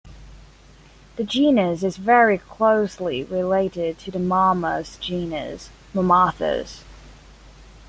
The genus is very closely related to the mammoth genus "Mammuthus".